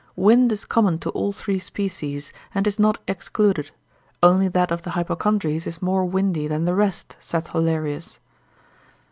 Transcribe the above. Wind is common to all three species, and is not excluded, only that of the hypochondries is more windy than the rest, saith Hollerius.